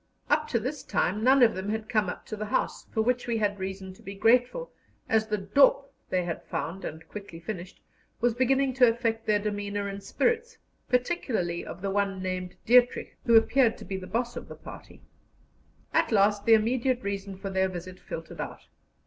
Up to this time none of them had come up to the house, for which we had reason to be grateful, as the "dop" they had found, and quickly finished, was beginning to affect their demeanour and spirits, particularly of the one named Dietrich, who appeared to be the boss of the party. At last the immediate reason for their visit filtered out.